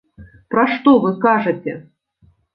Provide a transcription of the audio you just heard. Пра што вы кажаце?!